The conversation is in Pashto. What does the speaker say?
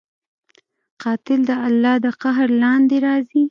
قاتل د الله د قهر لاندې راځي